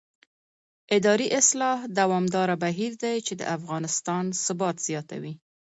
اداري اصلاح دوامداره بهیر دی چې د افغانستان ثبات زیاتوي